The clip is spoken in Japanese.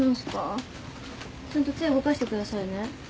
ちゃんと手動かしてくださいね。